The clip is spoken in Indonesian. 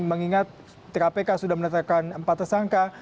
mengingat kpk sudah menetapkan empat tersangka